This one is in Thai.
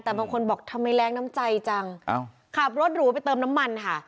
แต่บางคนบอกทำไมแรงน้ำใจจังขับรถหรูไปเติมน้ำมันค่ะ